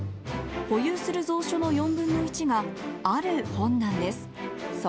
保有する蔵書の４分の１がある本なんです。